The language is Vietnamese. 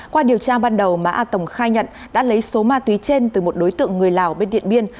qua điều tra ban đầu má a tổng khai nhận đã lấy số ma túy trên từ một đối tượng người lào bên điện biên